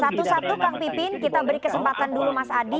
satu satu kang pipin kita beri kesempatan dulu mas adi